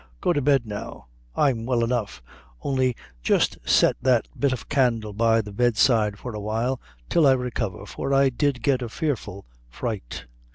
Go to bed now; I'm well enough; only jist set that bit of candle by the bed side for awhile, till I recover, for I did get a fearful fright."